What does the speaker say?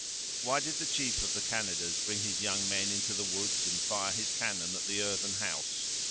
"Why did the chief of the Canadas bring his young men into the woods, and fire his cannon at the earthen house?"